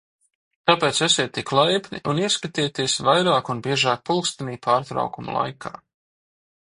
Tāpēc esiet tik laipni un ieskatieties vairāk un biežāk pulkstenī pārtraukuma laikā.